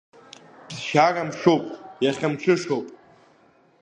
Ԥсшьара мшуп иахьа мҽышоуп.